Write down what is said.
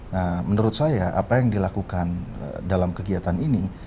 nah menurut saya apa yang dilakukan dalam kegiatan ini